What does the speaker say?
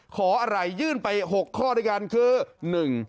ขออะไรยื่นไป๖ข้อด้วยกันคือ